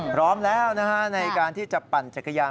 พร้อมแล้วในการที่จะปั่นจักรยาน